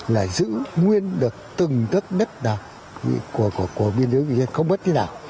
là giữ nguyên được từng đất đất nào của biên giới vị xuyên không bất như nào